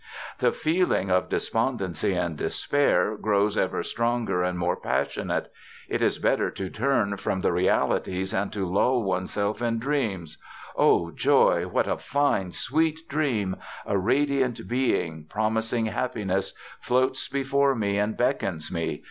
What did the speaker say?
"The feeling of despondency and despair grows ever stronger and more passionate. It is better to turn from the realities and to lull oneself in dreams. O joy! What a fine sweet dream! A radiant being, promising happiness, floats before me and beckons me.